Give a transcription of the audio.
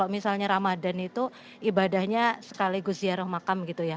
misalnya ramadan itu ibadahnya sekaligus ziarah makam gitu ya